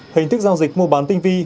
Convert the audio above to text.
hình thức giao dịch mua bán tinh vi